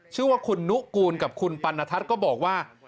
ชื่อว่าคุณนุกูลกับคุณปันนทัศน์ก็บอกว่า